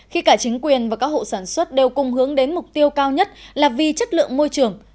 khi cả chính quyền và các hộ sản xuất đều cùng hướng đến mục tiêu cao nhất là vì chất lượng môi trường